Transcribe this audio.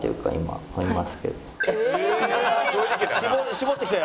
絞ってきたよ。